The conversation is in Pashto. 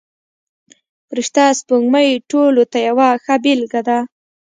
فرشته سپوږمۍ ټولو ته یوه ښه بېلګه ده.